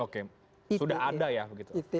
oke sudah ada ya begitu